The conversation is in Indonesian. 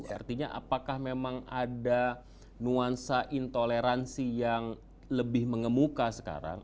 artinya apakah memang ada nuansa intoleransi yang lebih mengemuka sekarang